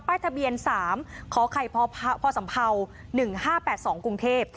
ป้ายทะเบียน๓ขไขพสัมเภา๑๕๘๒กรุงเทพฯ